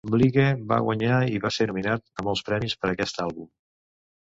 Blige va guanyar i va ser nominat a molts premis per aquest àlbum.